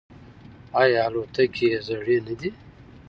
آیا الوتکې یې زړې نه دي؟